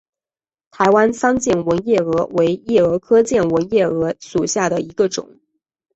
台湾桑剑纹夜蛾为夜蛾科剑纹夜蛾属下的一个种。